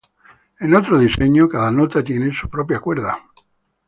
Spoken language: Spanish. En otro diseño, cada nota tiene su propia cuerda.